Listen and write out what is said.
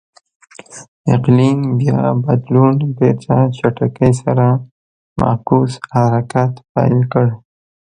اقلیم بیا بدلون بېرته چټکۍ سره معکوس حرکت پیل کړ.